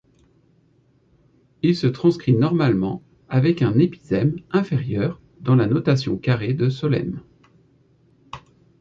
Il se transcrit normalement avec un épisème inférieur dans la notation carrée de Solesme.